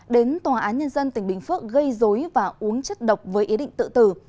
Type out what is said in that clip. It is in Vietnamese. đến tòa án nhân dân tỉnh bình phước gây dối và uống chất độc với ý định tự tử